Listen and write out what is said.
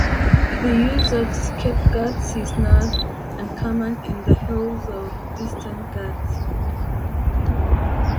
The use of scapegoats is not uncommon in the hills of the Eastern Ghats.